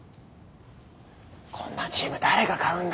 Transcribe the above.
こんなチーム誰が買うんだ。